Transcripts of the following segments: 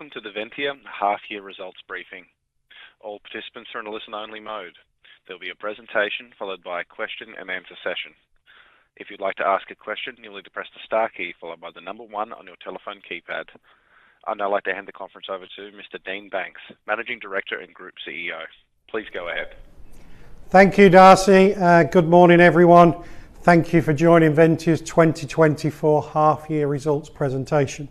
Welcome to the Ventia Half Year Results briefing. All participants are in a listen-only mode. There will be a presentation followed by a question and answer session. If you'd like to ask a question, you'll need to press the star key followed by the number one on your telephone keypad. I'd now like to hand the conference over to Mr. Dean Banks, Managing Director and Group CEO. Please go ahead. Thank you, Darcy. Good morning, everyone. Thank you for joining Ventia's 2024 half year results presentation.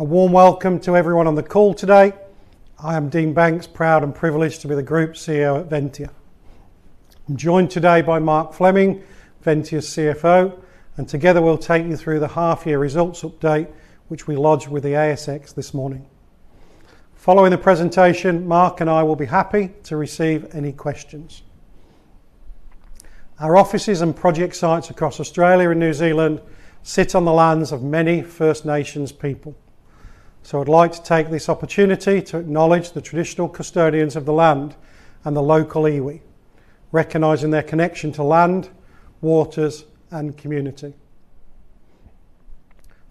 A warm welcome to everyone on the call today. I am Dean Banks, proud and privileged to be the Group CEO at Ventia. I'm joined today by Mark Fleming, Ventia's CFO, and together we'll take you through the half year results update, which we lodged with the ASX this morning. Following the presentation, Mark and I will be happy to receive any questions. Our offices and project sites across Australia and New Zealand sit on the lands of many First Nations people, so I'd like to take this opportunity to acknowledge the traditional custodians of the land and the local iwi, recognizing their connection to land, waters and community.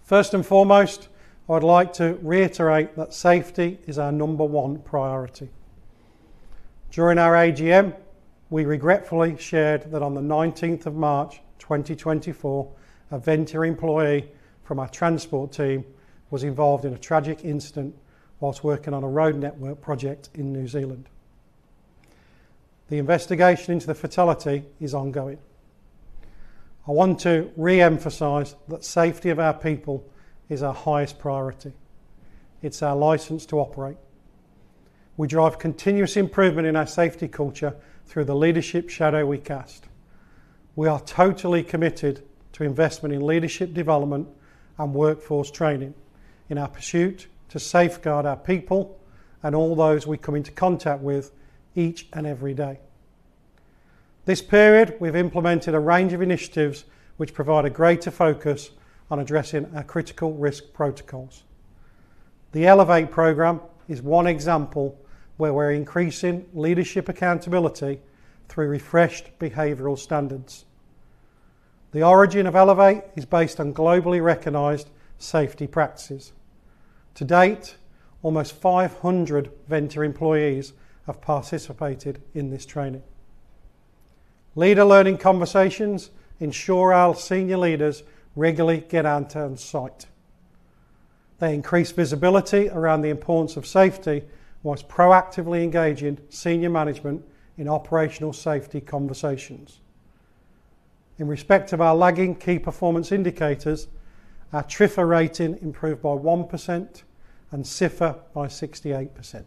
First and foremost, I'd like to reiterate that safety is our number one priority. During our AGM, we regretfully shared that on the 19th of March, 2024, a Ventia employee from our transport team was involved in a tragic incident while working on a road network project in New Zealand. The investigation into the fatality is ongoing. I want to re-emphasize that safety of our people is our highest priority. It's our license to operate. We drive continuous improvement in our safety culture through the leadership shadow we cast. We are totally committed to investment in leadership development and workforce training in our pursuit to safeguard our people and all those we come into contact with each and every day. This period, we've implemented a range of initiatives which provide a greater focus on addressing our critical risk protocols. The Elevate program is one example where we're increasing leadership accountability through refreshed behavioral standards. The origin of Elevate is based on globally recognized safety practices. To date, almost 500 Ventia employees have participated in this training. Leader learning conversations ensure our senior leaders regularly get out on site. They increase visibility around the importance of safety, whilst proactively engaging senior management in operational safety conversations. In respect of our lagging key performance indicators, our TRIFR rating improved by 1% and SIFR by 68%.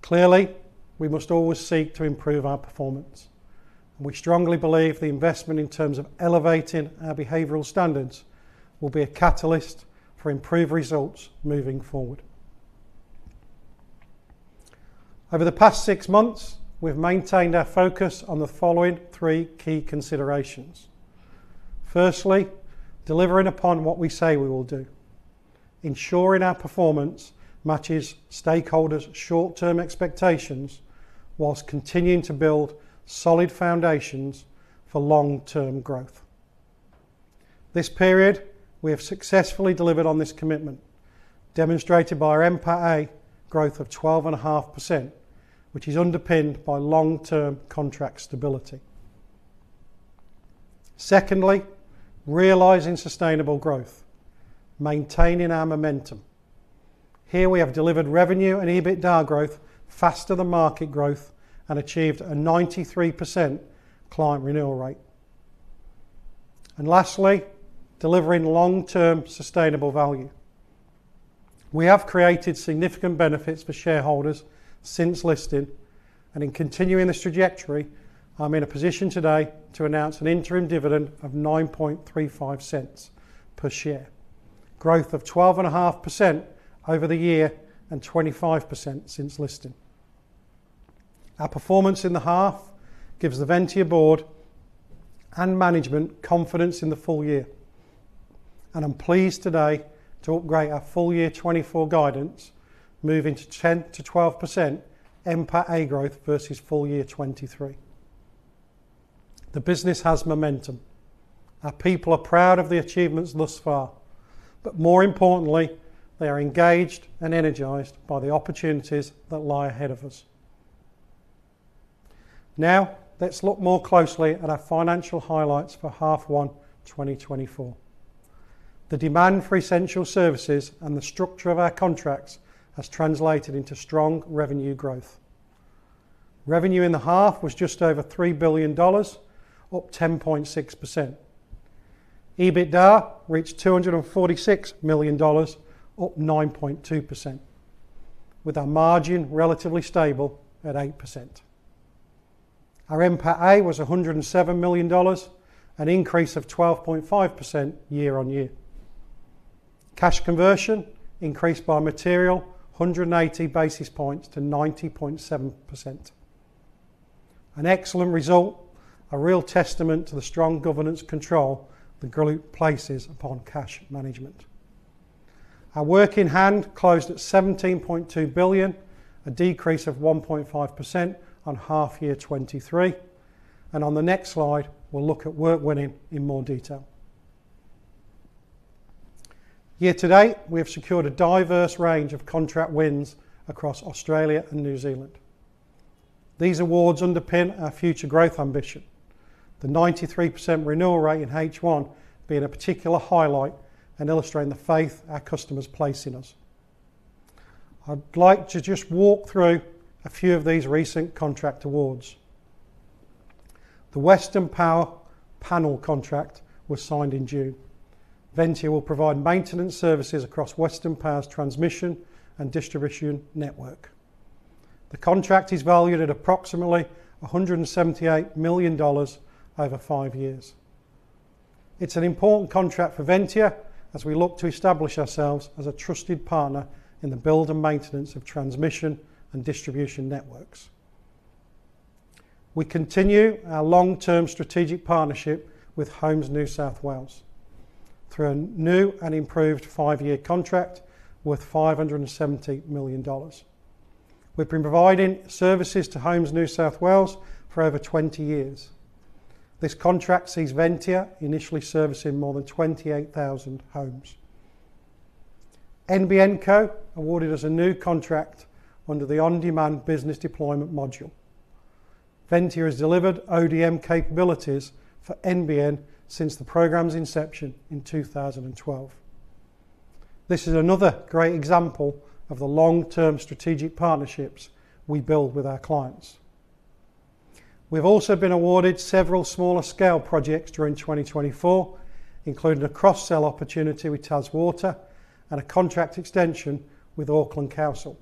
Clearly, we must always seek to improve our performance, and we strongly believe the investment in terms of elevating our behavioral standards will be a catalyst for improved results moving forward. Over the past six months, we've maintained our focus on the following three key considerations. Firstly, delivering upon what we say we will do, ensuring our performance matches stakeholders' short-term expectations whilst continuing to build solid foundations for long-term growth. This period, we have successfully delivered on this commitment, demonstrated by our NPATA growth of 12.5%, which is underpinned by long-term contract stability. Secondly, realizing sustainable growth, maintaining our momentum. Here we have delivered revenue and EBITDA growth faster than market growth and achieved a 93% client renewal rate. And lastly, delivering long-term sustainable value. We have created significant benefits for shareholders since listing, and in continuing this trajectory, I'm in a position today to announce an interim dividend of $ 0.0935 per share, growth of 12.5% over the year and 25% since listing. Our performance in the half gives the Ventia board and management confidence in the full year, and I'm pleased today to upgrade our full year 2024 guidance, moving to 10%-12% NPATA growth versus full year 2023. The business has momentum. Our people are proud of the achievements thus far, but more importantly, they are engaged and energized by the opportunities that lie ahead of us. Now, let's look more closely at our financial highlights for half one, 2024. The demand for essential services and the structure of our contracts has translated into strong revenue growth. Revenue in the half was just over $3 billion, up 10.6%. EBITDA reached $246 million, up 9.2%, with our margin relatively stable at 8%. Our NPATA was $107 million, an increase of 12.5% year on year. Cash conversion increased materially 180 basis points to 90.7%. An excellent result, a real testament to the strong governance control the group places upon cash management. Our work in hand closed at 17.2 billion, a decrease of 1.5% on half year 2023, and on the next slide, we'll look at work winning in more detail. Year to date, we have secured a diverse range of contract wins across Australia and New Zealand. These awards underpin our future growth ambition, the 93% renewal rate in H1 being a particular highlight and illustrating the faith our customers place in us. I'd like to just walk through a few of these recent contract awards. The Western Power panel contract was signed in June. Ventia will provide maintenance services across Western Power's transmission and distribution network. The contract is valued at approximately $178 million over five years. It's an important contract for Ventia as we look to establish ourselves as a trusted partner in the build and maintenance of transmission and distribution networks. We continue our long-term strategic partnership with Homes New South Wales through a new and improved five-year contract worth $570 million. We've been providing services to Homes New South Wales for over 20 years. This contract sees Ventia initially servicing more than 28,000 homes. NBN Co awarded us a new contract under the On Demand Business Deployment module. Ventia has delivered ODM capabilities for NBN since the program's inception in 2012. This is another great example of the long-term strategic partnerships we build with our clients. We've also been awarded several smaller-scale projects during 2024, including a cross-sell opportunity with TasWater and a contract extension with Auckland Council.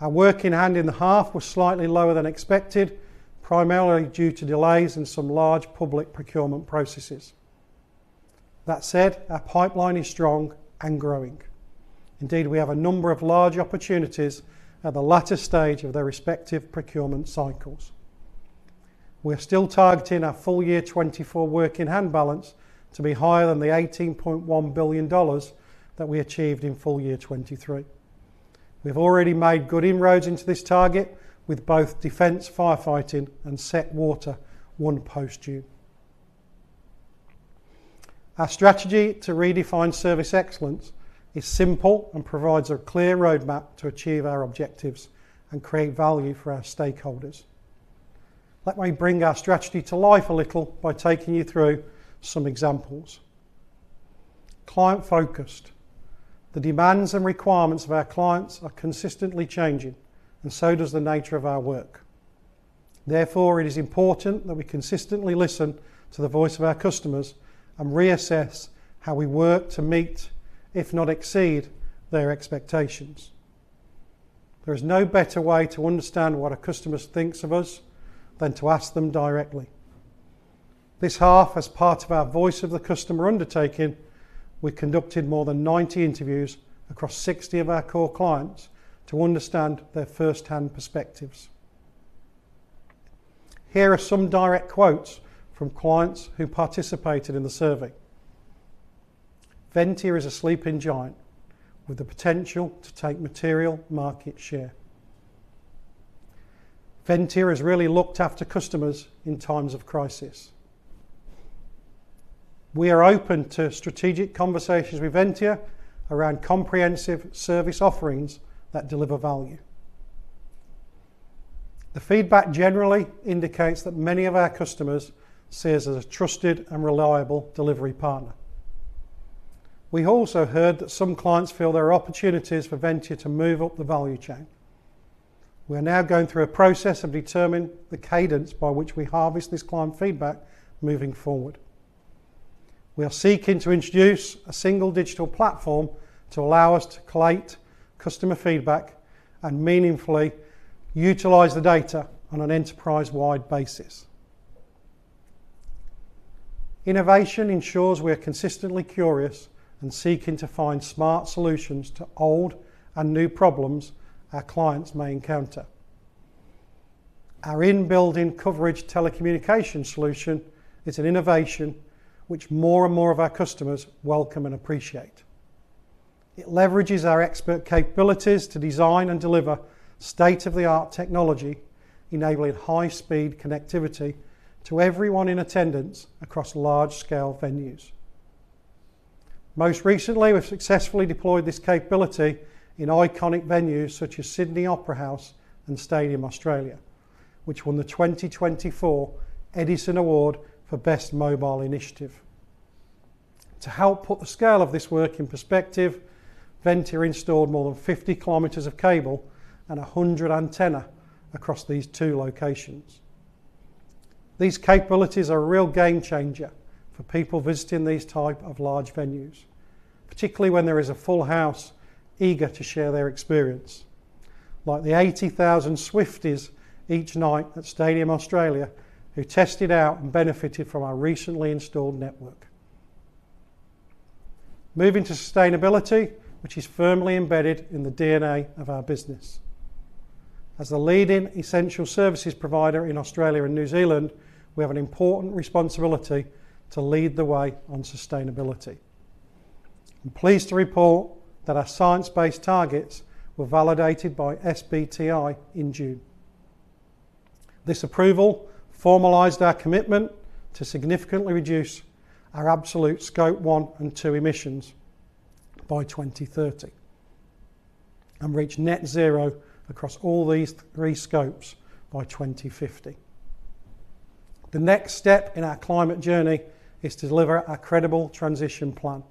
Our work in hand in the half was slightly lower than expected, primarily due to delays in some large public procurement processes. That said, our pipeline is strong and growing. Indeed, we have a number of large opportunities at the latter stage of their respective procurement cycles. We're still targeting our full year 2024 work-in-hand balance to be higher than the $18.1 billion that we achieved in full year 2023. We've already made good inroads into this target with both Defence Firefighting and Seqwater won post-June. Our strategy to redefine service excellence is simple and provides a clear roadmap to achieve our objectives and create value for our stakeholders. Let me bring our strategy to life a little by taking you through some examples. Client-focused. The demands and requirements of our clients are consistently changing, and so does the nature of our work. Therefore, it is important that we consistently listen to the voice of our customers and reassess how we work to meet, if not exceed, their expectations. There is no better way to understand what a customer thinks of us than to ask them directly. This half, as part of our Voice of the Customer undertaking, we conducted more than 90 interviews across 60 of our core clients to understand their first-hand perspectives. Here are some direct quotes from clients who participated in the survey. "Ventia is a sleeping giant with the potential to take material market share." "Ventia has really looked after customers in times of crisis." "We are open to strategic conversations with Ventia around comprehensive service offerings that deliver value." The feedback generally indicates that many of our customers see us as a trusted and reliable delivery partner. We also heard that some clients feel there are opportunities for Ventia to move up the value chain. We are now going through a process of determining the cadence by which we harvest this client feedback moving forward. We are seeking to introduce a single digital platform to allow us to collate customer feedback and meaningfully utilize the data on an enterprise-wide basis. Innovation ensures we are consistently curious and seeking to find smart solutions to old and new problems our clients may encounter. Our in-building coverage telecommunication solution is an innovation which more and more of our customers welcome and appreciate. It leverages our expert capabilities to design and deliver state-of-the-art technology, enabling high-speed connectivity to everyone in attendance across large-scale venues. Most recently, we've successfully deployed this capability in iconic venues such as Sydney Opera House and Stadium Australia, which won the 2024 Edison Award for Best Mobile Initiative. To help put the scale of this work in perspective, Ventia installed more than 50 kilometers of cable and 100 antennas across these two locations. These capabilities are a real game changer for people visiting these type of large venues, particularly when there is a full house eager to share their experience. Like the 80,000 Swifties each night at Stadium Australia, who tested out and benefited from our recently installed network. Moving to sustainability, which is firmly embedded in the DNA of our business. As a leading essential services provider in Australia and New Zealand, we have an important responsibility to lead the way on sustainability. I'm pleased to report that our science-based targets were validated by SBTi in June. This approval formalized our commitment to significantly reduce our absolute Scope 1 and 2 emissions by 2030, and reach net zero across all these three scopes by 2050. The next step in our climate journey is to deliver a credible transition plan,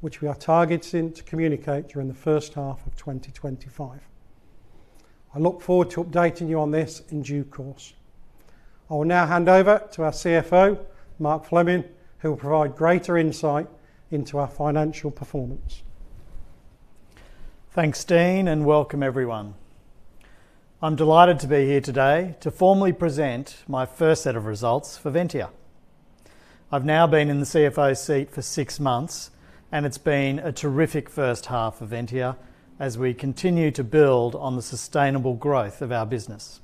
which we are targeting to communicate during the first half of 2025. I look forward to updating you on this in due course. I will now hand over to our CFO, Mark Fleming, who will provide greater insight into our financial performance. Thanks, Dean, and welcome everyone. I'm delighted to be here today to formally present my first set of results for Ventia. I've now been in the CFO seat for six months, and it's been a terrific first half of Ventia as we continue to build on the sustainable growth of our business.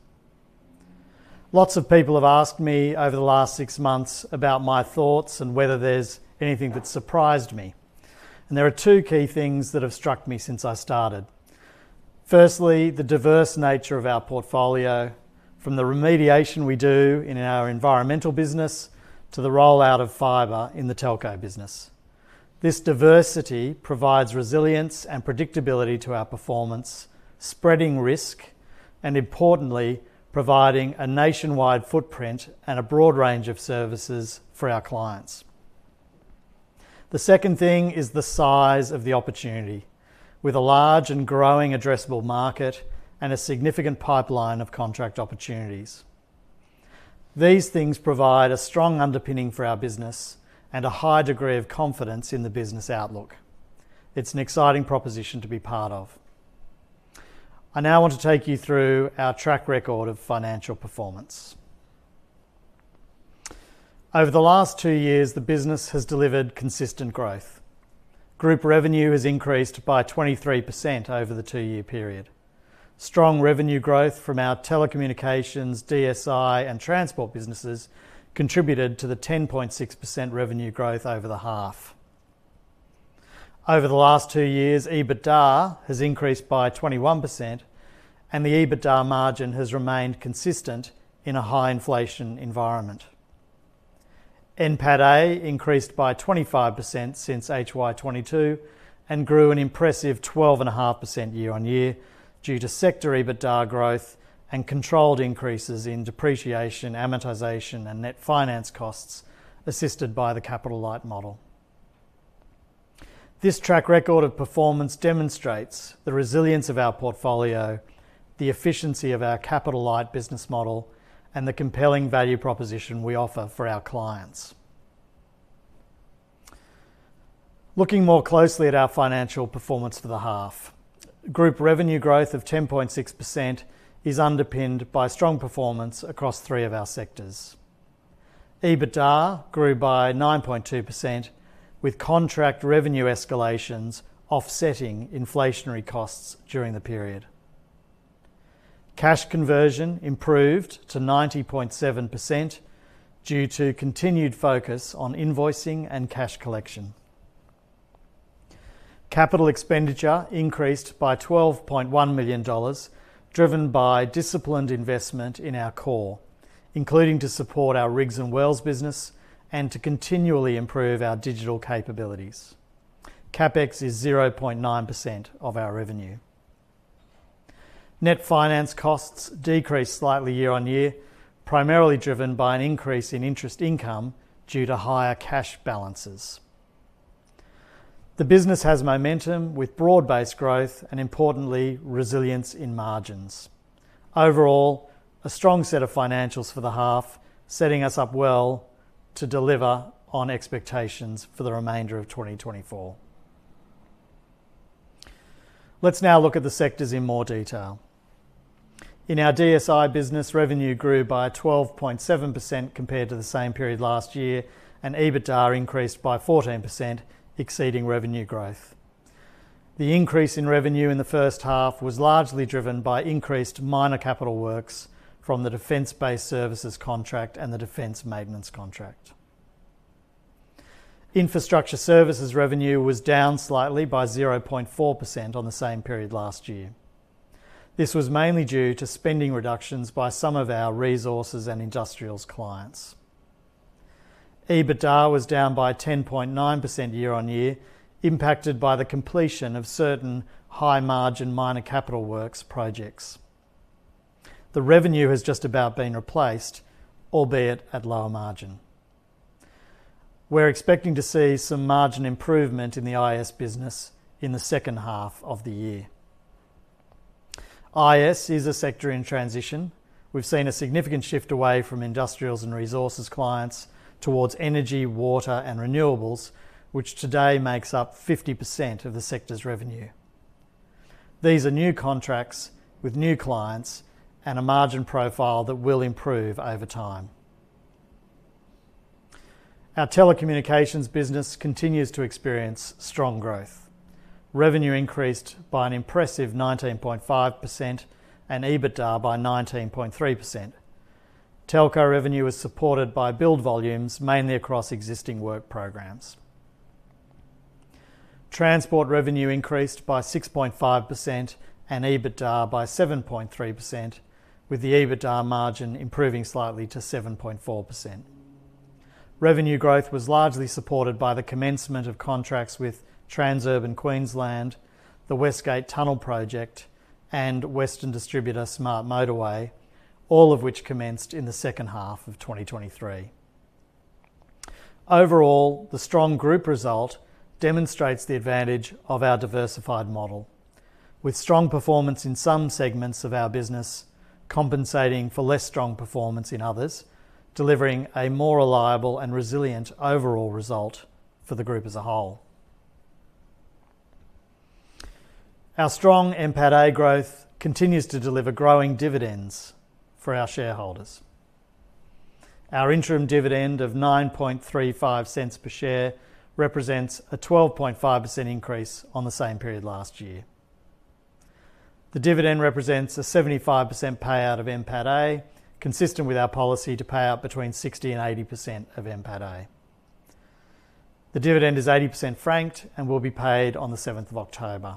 Lots of people have asked me over the last six months about my thoughts and whether there's anything that surprised me, and there are two key things that have struck me since I started. Firstly, the diverse nature of our portfolio, from the remediation we do in our environmental business to the rollout of fiber in the telco business. This diversity provides resilience and predictability to our performance, spreading risk, and importantly, providing a nationwide footprint and a broad range of services for our clients. The second thing is the size of the opportunity, with a large and growing addressable market and a significant pipeline of contract opportunities. These things provide a strong underpinning for our business and a high degree of confidence in the business outlook. It's an exciting proposition to be part of. I now want to take you through our track record of financial performance. Over the last two years, the business has delivered consistent growth. Group revenue has increased by 23% over the two-year period. Strong revenue growth from our telecommunications, DSI, and transport businesses contributed to the 10.6% revenue growth over the half. Over the last two years, EBITDA has increased by 21%, and the EBITDA margin has remained consistent in a high inflation environment. NPATA increased by 25% since HY 2022 and grew an impressive 12.5% year-on-year due to sector EBITDA growth and controlled increases in depreciation, amortization, and net finance costs, assisted by the capital light model. This track record of performance demonstrates the resilience of our portfolio, the efficiency of our capital light business model, and the compelling value proposition we offer for our clients. Looking more closely at our financial performance for the half, group revenue growth of 10.6% is underpinned by strong performance across three of our sectors. EBITDA grew by 9.2%, with contract revenue escalations offsetting inflationary costs during the period. Cash conversion improved to 90.7% due to continued focus on invoicing and cash collection. Capital expenditure increased by $12.1 million, driven by disciplined investment in our core, including to support our rigs and wells business and to continually improve our digital capabilities. CapEx is 0.9% of our revenue. Net finance costs decreased slightly year-on-year, primarily driven by an increase in interest income due to higher cash balances. The business has momentum with broad-based growth and, importantly, resilience in margins. Overall, a strong set of financials for the half, setting us up well to deliver on expectations for the remainder of 2024. Let's now look at the sectors in more detail. In our DSI business, revenue grew by 12.7% compared to the same period last year, and EBITDA increased by 14%, exceeding revenue growth. The increase in revenue in the first half was largely driven by increased minor capital works from the Defence Base Services contract and the Defence Maintenance contract. Infrastructure services revenue was down slightly by 0.4% on the same period last year. This was mainly due to spending reductions by some of our resources and industrials clients. EBITDA was down by 10.9% year-on-year, impacted by the completion of certain high-margin minor capital works projects. The revenue has just about been replaced, albeit at lower margin. We're expecting to see some margin improvement in the IS business in the second half of the year. IS is a sector in transition. We've seen a significant shift away from industrials and resources clients towards energy, water, and renewables, which today makes up 50% of the sector's revenue. These are new contracts with new clients and a margin profile that will improve over time. Our telecommunications business continues to experience strong growth. Revenue increased by an impressive 19.5% and EBITDA by 19.3%. Telco revenue is supported by build volumes, mainly across existing work programs. Transport revenue increased by 6.5% and EBITDA by 7.3%, with the EBITDA margin improving slightly to 7.4%. Revenue growth was largely supported by the commencement of contracts with Transurban Queensland, the West Gate Tunnel Project, and Western Distributor Smart Motorway, all of which commenced in the second half of 2023. Overall, the strong group result demonstrates the advantage of our diversified model, with strong performance in some segments of our business compensating for less strong performance in others, delivering a more reliable and resilient overall result for the group as a whole. Our strong NPATA growth continues to deliver growing dividends for our shareholders. Our interim dividend of $0.0935 per share represents a 12.5% increase on the same period last year. The dividend represents a 75% payout of NPATA, consistent with our policy to pay out between 60% and 80% of NPATA. The dividend is 80% franked and will be paid on the seventh of October.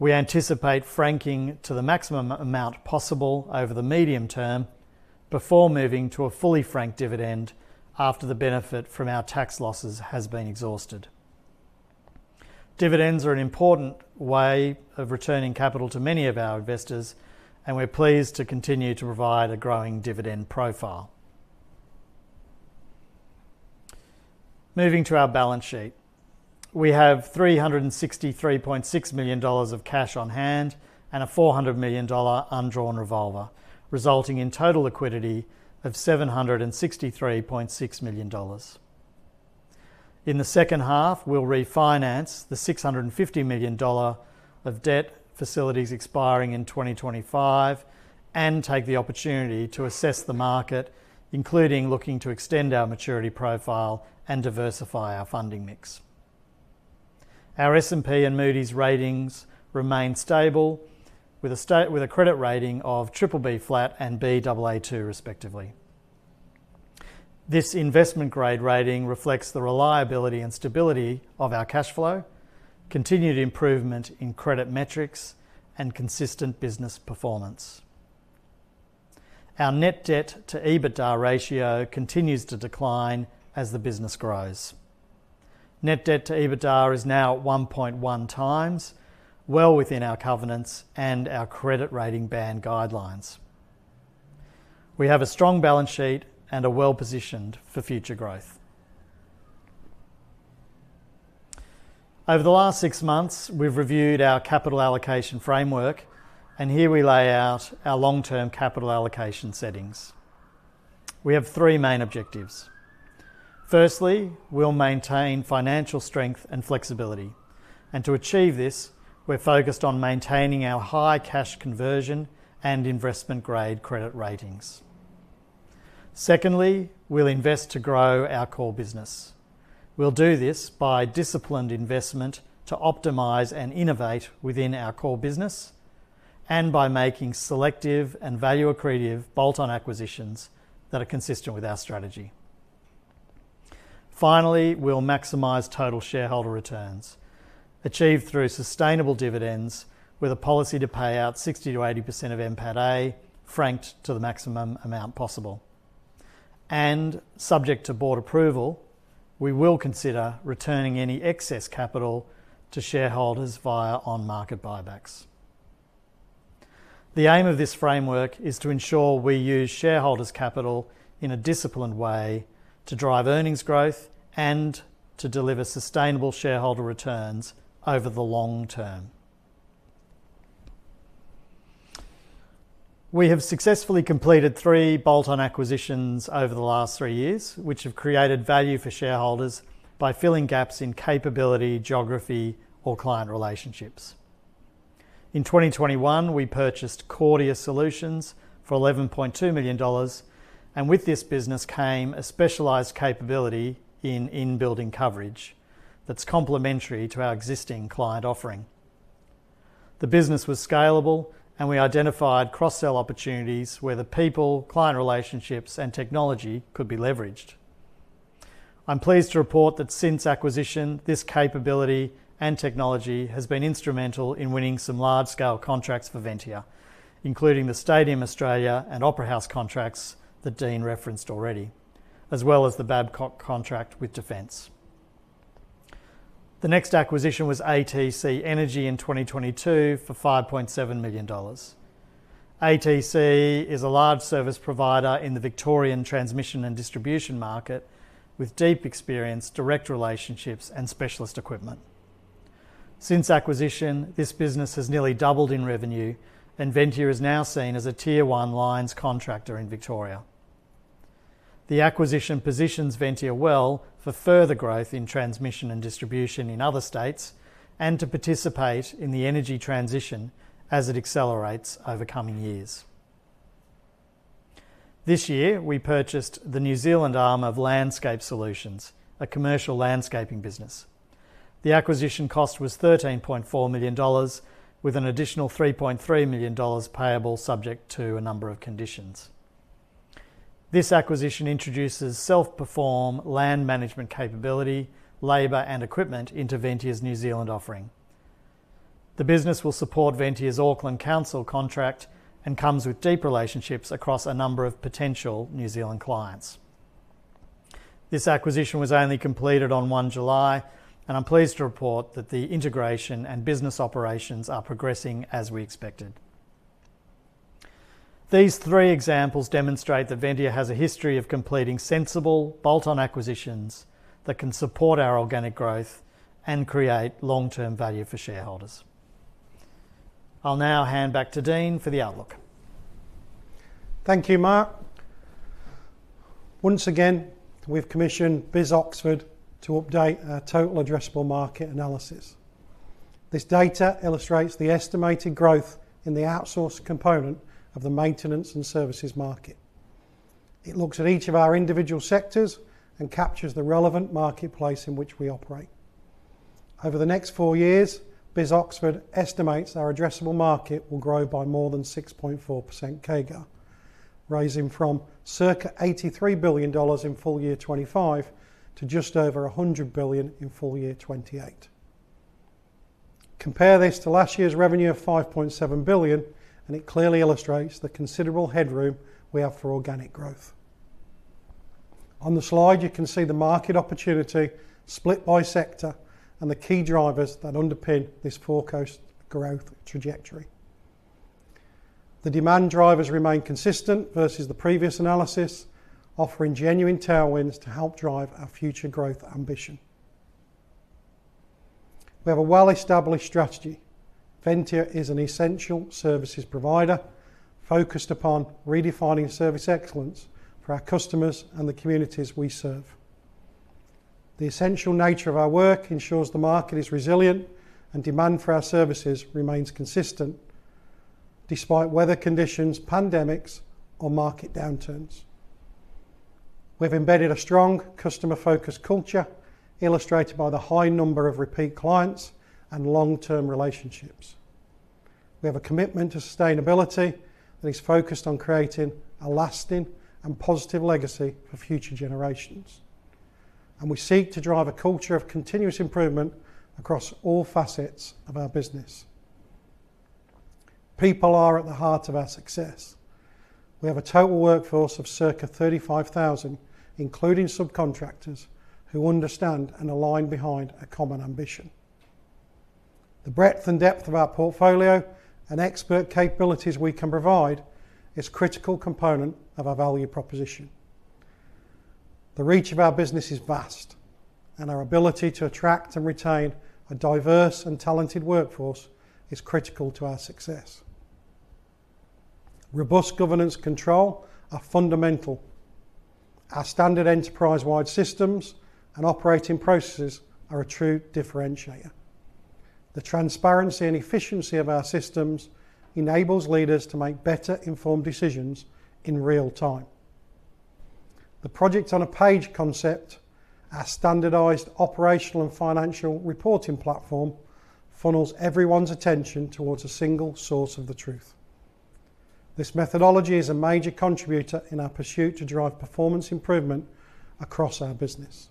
We anticipate franking to the maximum amount possible over the medium term before moving to a fully franked dividend after the benefit from our tax losses has been exhausted. Dividends are an important way of returning capital to many of our investors, and we're pleased to continue to provide a growing dividend profile. Moving to our balance sheet, we have $363.6 million of cash on hand and a $400 million undrawn revolver, resulting in total liquidity of $ 763.6 million. In the second half, we'll refinance the $650 million of debt facilities expiring in 2025 and take the opportunity to assess the market, including looking to extend our maturity profile and diversify our funding mix. Our S&P and Moody's ratings remain stable with a credit rating of triple B flat and Baa2 respectively. This investment grade rating reflects the reliability and stability of our cash flow, continued improvement in credit metrics, and consistent business performance. Our net debt to EBITDA ratio continues to decline as the business grows. Net debt to EBITDA is now at one point one times, well within our covenants and our credit rating band guidelines. We have a strong balance sheet and are well-positioned for future growth. Over the last six months, we've reviewed our capital allocation framework, and here we lay out our long-term capital allocation settings. We have three main objectives. Firstly, we'll maintain financial strength and flexibility, and to achieve this, we're focused on maintaining our high cash conversion and investment-grade credit ratings. Secondly, we'll invest to grow our core business. We'll do this by disciplined investment to optimize and innovate within our core business and by making selective and value-accretive bolt-on acquisitions that are consistent with our strategy. Finally, we'll maximize total shareholder returns, achieved through sustainable dividends with a policy to pay out 60%-80% of NPATA, franked to the maximum amount possible. Subject to board approval, we will consider returning any excess capital to shareholders via on-market buybacks. The aim of this framework is to ensure we use shareholders' capital in a disciplined way to drive earnings growth and to deliver sustainable shareholder returns over the long term. We have successfully completed three bolt-on acquisitions over the last three years, which have created value for shareholders by filling gaps in capability, geography, or client relationships. In 2021, we purchased Kordia Solutions for $11.2 million, and with this business came a specialized capability in in-building coverage that's complementary to our existing client offering. The business was scalable, and we identified cross-sell opportunities where the people, client relationships, and technology could be leveraged. I'm pleased to report that since acquisition, this capability and technology has been instrumental in winning some large-scale contracts for Ventia, including the Stadium Australia and Opera House contracts that Dean referenced already, as well as the Babcock contract with Defence. The next acquisition was ATC Energy in 2022 for $5.7 million. ATC is a large service provider in the Victorian transmission and distribution market, with deep experience, direct relationships, and specialist equipment. Since acquisition, this business has nearly doubled in revenue, and Ventia is now seen as a tier one lines contractor in Victoria. The acquisition positions Ventia well for further growth in transmission and distribution in other states and to participate in the energy transition as it accelerates over coming years. This year, we purchased the New Zealand arm of Landscape Solutions, a commercial landscaping business. The acquisition cost was $13.4 million, with an additional $3.3 million payable, subject to a number of conditions. This acquisition introduces self-perform land management capability, labor, and equipment into Ventia's New Zealand offering. The business will support Ventia's Auckland Council contract and comes with deep relationships across a number of potential New Zealand clients. This acquisition was only completed on 1 July, and I'm pleased to report that the integration and business operations are progressing as we expected. These three examples demonstrate that Ventia has a history of completing sensible bolt-on acquisitions that can support our organic growth and create long-term value for shareholders. I'll now hand back to Dean for the outlook. Thank you, Mark. Once again, we've commissioned BIS Oxford to update our total addressable market analysis. This data illustrates the estimated growth in the outsourced component of the maintenance and services market. It looks at each of our individual sectors and captures the relevant marketplace in which we operate. Over the next four years, BIS Oxford estimates our addressable market will grow by more than 6.4% CAGR, rising from circa $83 billion in full year 2025 to just over $100 billion in full year 2028. Compare this to last year's revenue of $5.7 billion, and it clearly illustrates the considerable headroom we have for organic growth. On the slide, you can see the market opportunity split by sector and the key drivers that underpin this forecast growth trajectory. The demand drivers remain consistent versus the previous analysis, offering genuine tailwinds to help drive our future growth ambition. We have a well-established strategy. Ventia is an essential services provider focused upon redefining service excellence for our customers and the communities we serve. The essential nature of our work ensures the market is resilient, and demand for our services remains consistent despite weather conditions, pandemics, or market downturns. We've embedded a strong customer-focused culture, illustrated by the high number of repeat clients and long-term relationships. We have a commitment to sustainability that is focused on creating a lasting and positive legacy for future generations, and we seek to drive a culture of continuous improvement across all facets of our business. People are at the heart of our success. We have a total workforce of circa thirty-five thousand, including subcontractors, who understand and align behind a common ambition. The breadth and depth of our portfolio and expert capabilities we can provide is critical component of our value proposition. The reach of our business is vast, and our ability to attract and retain a diverse and talented workforce is critical to our success. Robust governance control are fundamental. Our standard enterprise-wide systems and operating processes are a true differentiator. The transparency and efficiency of our systems enables leaders to make better informed decisions in real time. The Project on a Page concept, our standardized operational and financial reporting platform, funnels everyone's attention towards a single source of the truth. This methodology is a major contributor in our pursuit to drive performance improvement across our business.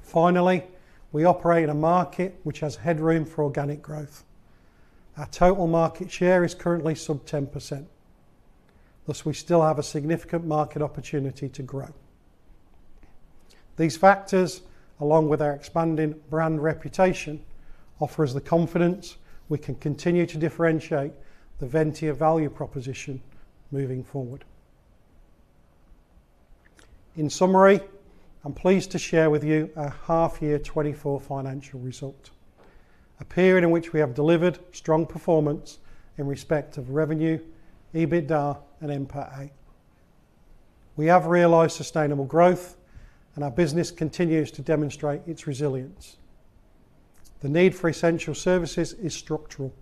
Finally, we operate in a market which has headroom for organic growth. Our total market share is currently sub 10%, thus, we still have a significant market opportunity to grow. These factors, along with our expanding brand reputation, offer us the confidence we can continue to differentiate the Ventia value proposition moving forward. In summary, I'm pleased to share with you our half year 2024 financial result, a period in which we have delivered strong performance in respect of revenue, EBITDA, and NPATA. We have realized sustainable growth, and our business continues to demonstrate its resilience. The need for essential services is structural,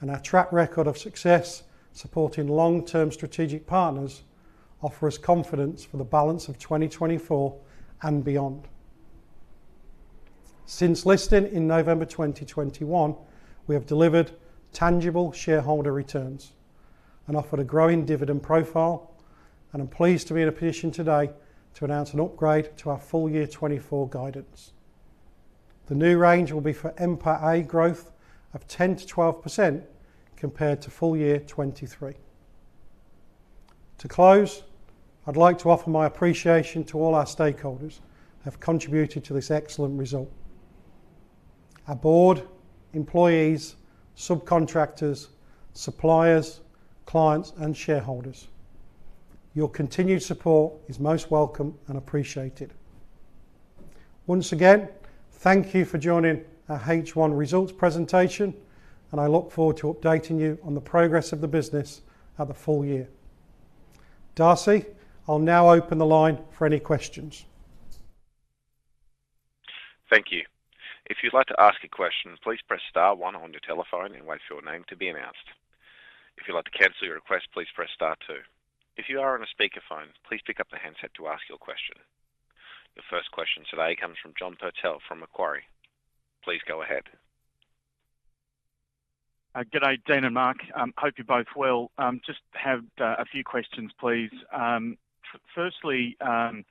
and our track record of success supporting long-term strategic partners offer us confidence for the balance of 2024 and beyond. Since listing in November 2021, we have delivered tangible shareholder returns and offered a growing dividend profile, and I'm pleased to be in a position today to announce an upgrade to our full year 2024 guidance. The new range will be for NPATA growth of 10%-12% compared to full year 2023. To close, I'd like to offer my appreciation to all our stakeholders who have contributed to this excellent result. Our board, employees, subcontractors, suppliers, clients, and shareholders, your continued support is most welcome and appreciated. Once again, thank you for joining our H1 results presentation, and I look forward to updating you on the progress of the business at the full year. Darcy, I'll now open the line for any questions. Thank you. If you'd like to ask a question, please press star one on your telephone and wait for your name to be announced... If you'd like to cancel your request, please press star two. If you are on a speakerphone, please pick up the handset to ask your question. The first question today comes from John Purtell from Macquarie. Please go ahead. Good day, Dean and Mark. Hope you're both well. Just have a few questions, please. Firstly, and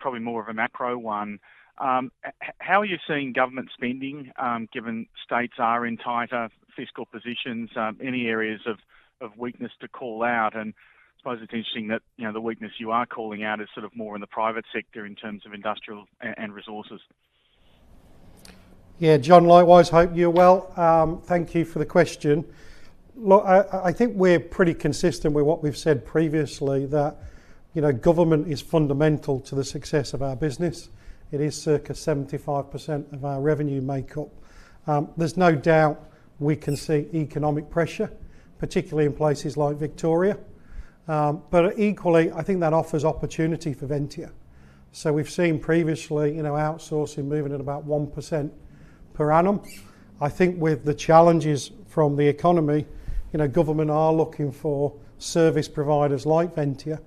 probably more of a macro one, how are you seeing government spending, given states are in tighter fiscal positions, any areas of weakness to call out? And I suppose it's interesting that, you know, the weakness you are calling out is sort of more in the private sector in terms of industrial and resources. Yeah, John, likewise, hope you're well. Thank you for the question. Look, I think we're pretty consistent with what we've said previously, that, you know, government is fundamental to the success of our business. It is circa 75% of our revenue makeup. There's no doubt we can see economic pressure, particularly in places like Victoria. But equally, I think that offers opportunity for Ventia. So we've seen previously, you know, outsourcing moving at about 1% per annum. I think with the challenges from the economy, you know, government are looking for service providers like Ventia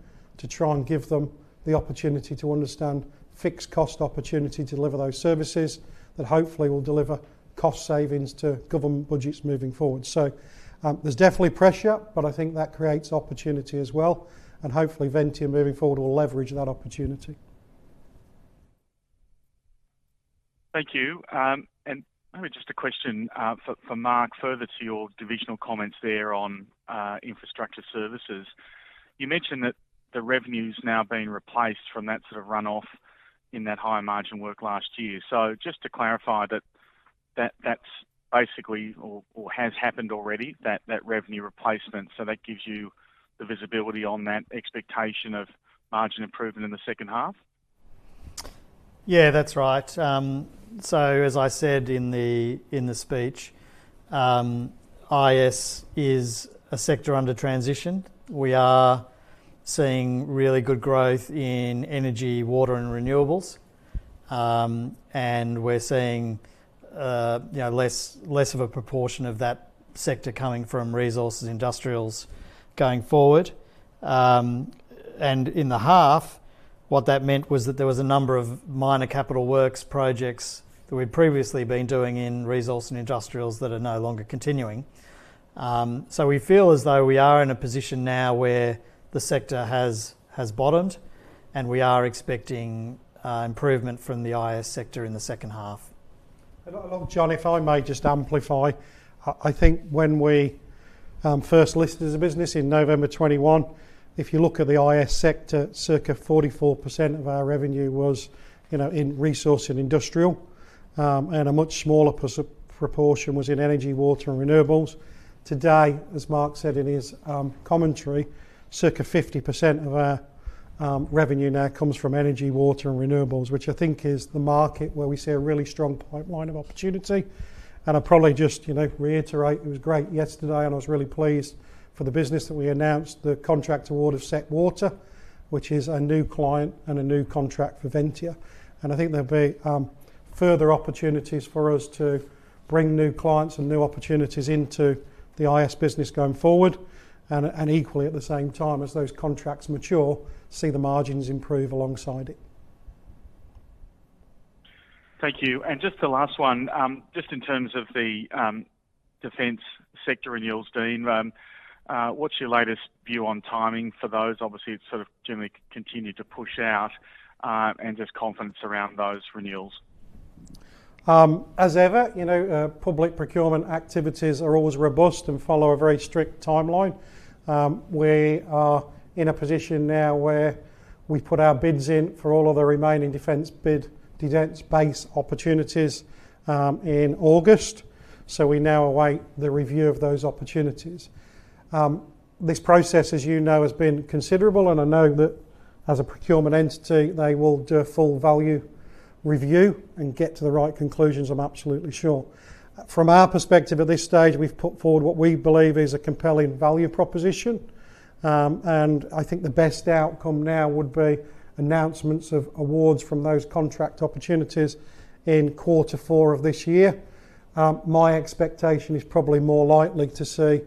to try and give them the opportunity to understand fixed cost opportunity to deliver those services, that hopefully will deliver cost savings to government budgets moving forward. So, there's definitely pressure, but I think that creates opportunity as well, and hopefully Ventia, moving forward, will leverage that opportunity. Thank you. And maybe just a question for Mark, further to your divisional comments there on infrastructure services. You mentioned that the revenue's now being replaced from that sort of runoff in that higher margin work last year. So just to clarify that that's basically, or has happened already, that revenue replacement, so that gives you the visibility on that expectation of margin improvement in the second half? Yeah, that's right. So as I said in the speech, IS is a sector under transition. We are seeing really good growth in energy, water and renewables. And we're seeing, you know, less of a proportion of that sector coming from resources, industrials going forward. And in the half, what that meant was that there was a number of minor capital works projects that we'd previously been doing in resource and industrials that are no longer continuing. So we feel as though we are in a position now where the sector has bottomed, and we are expecting improvement from the IS sector in the second half. And look, John, if I may just amplify, I think when we first listed as a business in November 2021, if you look at the IS sector, circa 44% of our revenue was, you know, in resource and industrial, and a much smaller proportion was in energy, water and renewables. Today, as Mark said in his commentary, circa 50% of our revenue now comes from energy, water and renewables, which I think is the market where we see a really strong pipeline of opportunity. And I'll probably just, you know, reiterate, it was great yesterday, and I was really pleased for the business that we announced the contract award of Seqwater, which is a new client and a new contract for Ventia. I think there'll be further opportunities for us to bring new clients and new opportunities into the IS business going forward, and equally, at the same time as those contracts mature, see the margins improve alongside it. Thank you. And just the last one, just in terms of the Defence sector renewals, Dean, what's your latest view on timing for those? Obviously, it's sort of generally continued to push out, and just confidence around those renewals. As ever, you know, public procurement activities are always robust and follow a very strict timeline. We are in a position now where we put our bids in for all of the remaining Defence bid, Defence base opportunities, in August, so we now await the review of those opportunities. This process, as you know, has been considerable, and I know that as a procurement entity, they will do a full value review and get to the right conclusions, I'm absolutely sure. From our perspective at this stage, we've put forward what we believe is a compelling value proposition. And I think the best outcome now would be announcements of awards from those contract opportunities in quarter four of this year. My expectation is probably more likely to see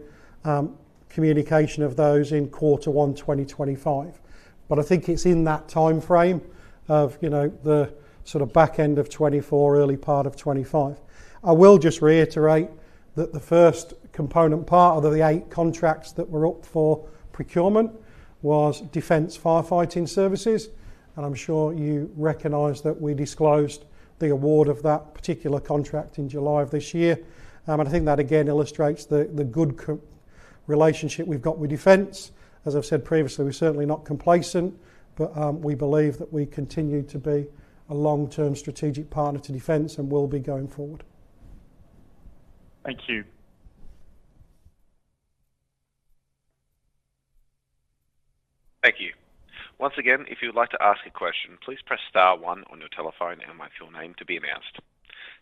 communication of those in quarter one 2025, but I think it's in that time frame of, you know, the sort of back end of 2024 early part of 2025. I will just reiterate that the first component part of the eight contracts that were up for procurement was Defence Firefighting Services, and I'm sure you recognize that we disclosed the award of that particular contract in July of this year. And I think that again illustrates the good relationship we've got with Defence. As I've said previously, we're certainly not complacent, but we believe that we continue to be a long-term strategic partner to Defence and will be going forward. Thank you. Thank you. Once again, if you'd like to ask a question, please press star one on your telephone and wait for your name to be announced.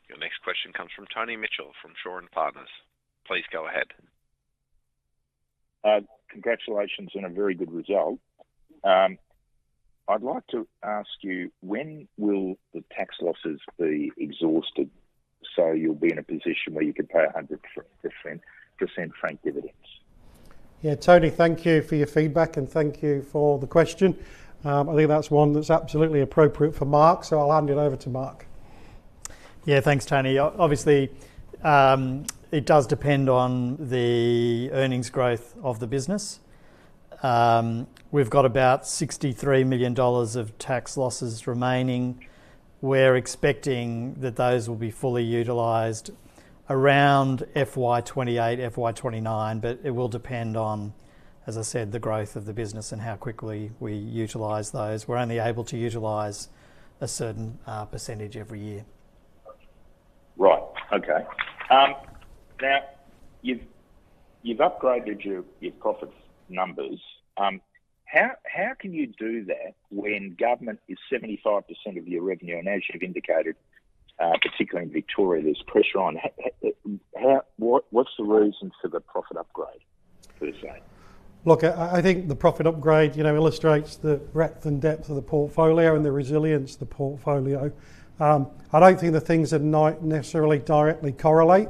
Your next question comes from Tony Mitchell, from Shaw and Partners. Please go ahead. Congratulations on a very good result. I'd like to ask you, when will the tax losses be exhausted, so you'll be in a position where you can pay 100% franked dividends? Yeah, Tony, thank you for your feedback, and thank you for the question. I think that's one that's absolutely appropriate for Mark, so I'll hand it over to Mark. Yeah, thanks, Tony. Obviously, it does depend on the earnings growth of the business. We've got about $63 million of tax losses remaining. We're expecting that those will be fully utilized around FY 2028, FY 2029, but it will depend on, as I said, the growth of the business and how quickly we utilize those. We're only able to utilize a certain percentage every year. Right. Okay. Now, you've upgraded your profit numbers. How can you do that when government is 75% of your revenue? And as you've indicated, particularly in Victoria, there's pressure on how. How, what's the reasons for the profit upgrade, per se? Look, I think the profit upgrade, you know, illustrates the breadth and depth of the portfolio and the resilience of the portfolio. I don't think the things are not necessarily directly correlate.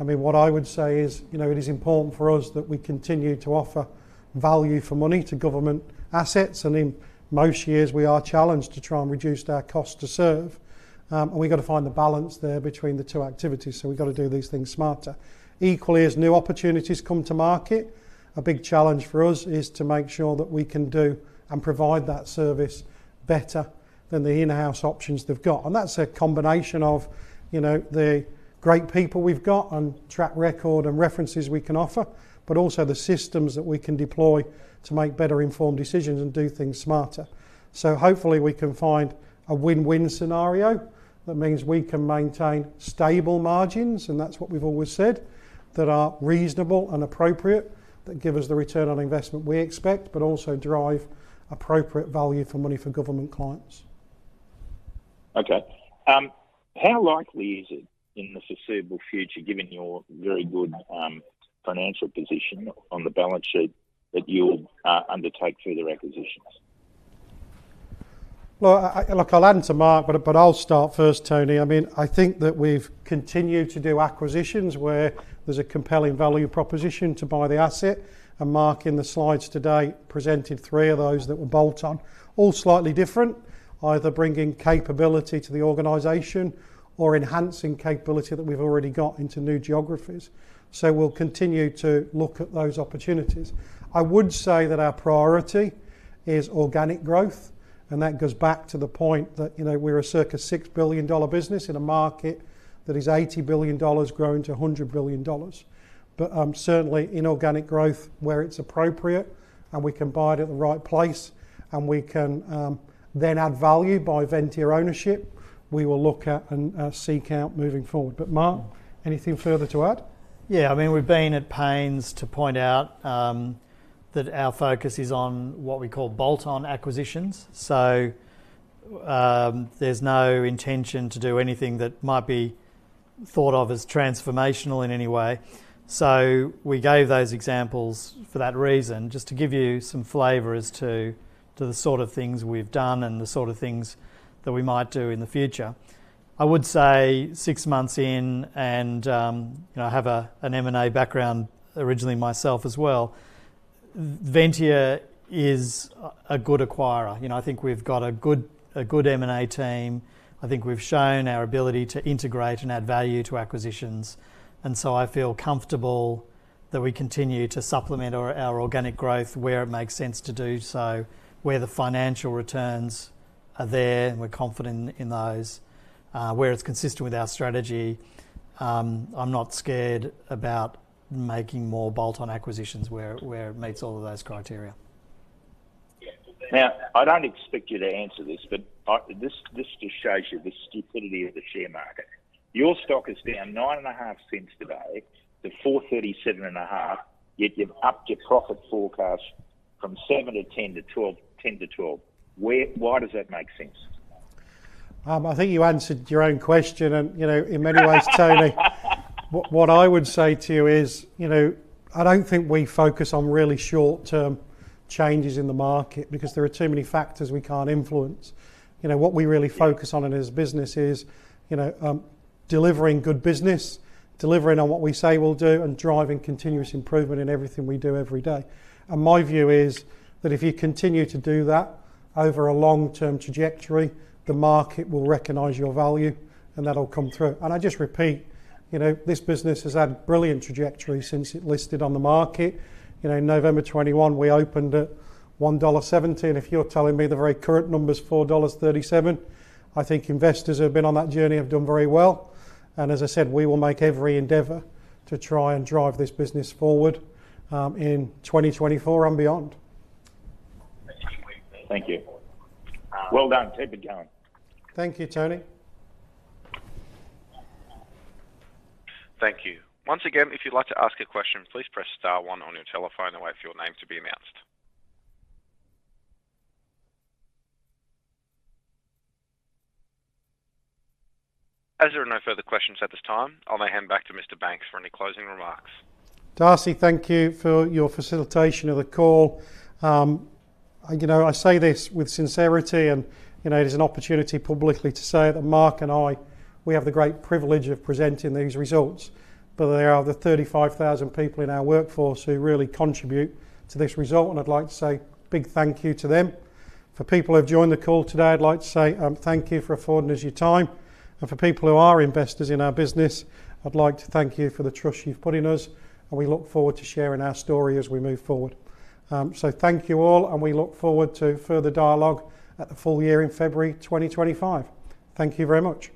I mean, what I would say is, you know, it is important for us that we continue to offer value for money to government assets, and in most years, we are challenged to try and reduce our cost to serve, and we've got to find the balance there between the two activities, so we've got to do these things smarter. Equally, as new opportunities come to market, a big challenge for us is to make sure that we can do and provide that service better than the in-house options they've got. And that's a combination of, you know, the great people we've got and track record and references we can offer, but also the systems that we can deploy to make better informed decisions and do things smarter. So hopefully, we can find a win-win scenario that means we can maintain stable margins, and that's what we've always said, that are reasonable and appropriate, that give us the return on investment we expect, but also drive appropriate value for money for government clients. Okay. How likely is it in the foreseeable future, given your very good financial position on the balance sheet, that you'll undertake further acquisitions? I look, I'll add to Mark, but I'll start first, Tony. I mean, I think that we've continued to do acquisitions where there's a compelling value proposition to buy the asset, and Mark in the slides today presented three of those that were bolt-on. All slightly different, either bringing capability to the organization or enhancing capability that we've already got into new geographies. So we'll continue to look at those opportunities. I would say that our priority is organic growth, and that goes back to the point that, you know, we're a circa $6 billion business in a market that is $80 billion growing to $100 billion. But, certainly in organic growth, where it's appropriate and we can buy it at the right place, and we can, then add value by Ventia ownership, we will look at and, seek out moving forward. But Mark, anything further to add? Yeah, I mean, we've been at pains to point out that our focus is on what we call bolt-on acquisitions. So, there's no intention to do anything that might be thought of as transformational in any way. So we gave those examples for that reason, just to give you some flavor as to, to the sort of things we've done and the sort of things that we might do in the future. I would say six months in and, you know, I have an M&A background originally myself as well. Ventia is a good acquirer. You know, I think we've got a good M&A team. I think we've shown our ability to integrate and add value to acquisitions, and so I feel comfortable that we continue to supplement our organic growth where it makes sense to do so, where the financial returns are there, and we're confident in those. Where it's consistent with our strategy, I'm not scared about making more bolt-on acquisitions where it meets all of those criteria. Yeah. Now, I don't expect you to answer this, but this just shows you the stupidity of the share market. Your stock is down $0.095 today to $4.375, yet you've upped your profit forecast from seven to 10 to 12. Why does that make sense? I think you answered your own question and, you know, in many ways- Tony, what I would say to you is, you know, I don't think we focus on really short-term changes in the market because there are too many factors we can't influence. You know, what we really focus on in this business is, you know, delivering good business, delivering on what we say we'll do, and driving continuous improvement in everything we do every day. And my view is that if you continue to do that over a long-term trajectory, the market will recognize your value, and that'll come through. And I just repeat, you know, this business has had brilliant trajectory since it listed on the market. You know, in November 2021, we opened at $1.70, and if you're telling me the very current number is $4.37, I think investors who have been on that journey have done very well. And as I said, we will make every endeavor to try and drive this business forward, in 2024 and beyond. Thank you. Well done. Keep it going. Thank you, Tony. Thank you. Once again, if you'd like to ask a question, please press star one on your telephone and wait for your name to be announced. As there are no further questions at this time, I'll now hand back to Mr. Banks for any closing remarks. Darcy, thank you for your facilitation of the call. You know, I say this with sincerity, and, you know, it is an opportunity publicly to say that Mark and I, we have the great privilege of presenting these results, but there are the thirty-five thousand people in our workforce who really contribute to this result, and I'd like to say a big thank you to them. For people who have joined the call today, I'd like to say, thank you for affording us your time, and for people who are investors in our business, I'd like to thank you for the trust you've put in us, and we look forward to sharing our story as we move forward, so thank you all, and we look forward to further dialogue at the full year in February 2025. Thank you very much.